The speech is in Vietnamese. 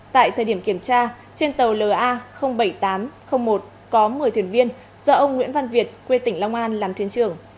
tại thời điểm kiểm tra trên tàu la bảy nghìn tám trăm linh một có một mươi thuyền viên do ông nguyễn văn việt quê tỉnh long an làm thuyền trưởng